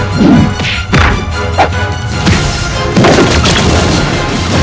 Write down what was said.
tidak ada apa apa